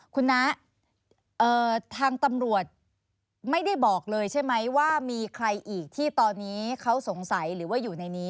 คุณน้าทางตำรวจไม่ได้บอกเลยใช่ไหมว่ามีใครอีกที่ตอนนี้เขาสงสัยหรือว่าอยู่ในนี้